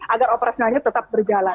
agar operasionalnya tetap berjalan